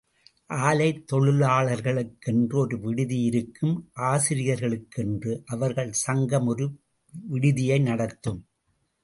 ஆலை தொழிலாளர்களுக்கென்று ஒரு விடுதி இருக்கும் ஆசிரியர்களுக்கென்று, அவர்கள் சங்கம் ஒரு விடுதியை நடத்தும்.